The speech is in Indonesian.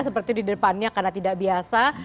seperti di depannya karena tidak biasa